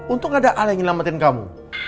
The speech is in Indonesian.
untung ada allah yang ngelewatin kamu